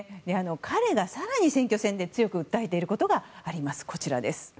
彼が更に選挙戦で強く訴えていることがあります。